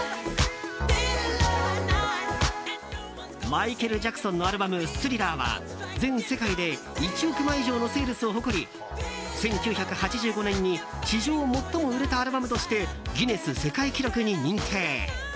マイケル・ジャクソンのアルバム「スリラー」は全世界で１億枚以上のセールスを誇り１９８５年に史上最も売れたアルバムとしてギネス世界記録に認定。